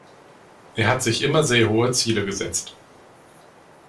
Er hat sich immer sehr hohe Ziele gesetzt.